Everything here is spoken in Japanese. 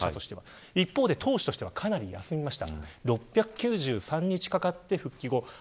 一方で投手としてはかなり休みました。